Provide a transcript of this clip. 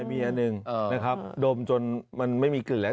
ใช่มีอันหนึ่งนะครับดมจนมันไม่มีกึ่งแล้ว